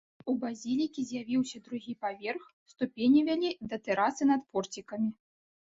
У базілікі з'явіўся другі паверх, ступені вялі да тэрасы над порцікамі.